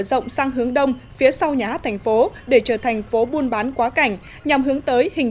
hướng hướng đông phía sau nhá thành phố để trở thành phố buôn bán quá cảnh nhằm hướng tới hình